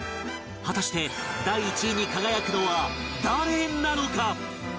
果たして第１位に輝くのは誰なのか？